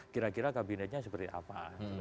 kira kira kabinetnya seperti apa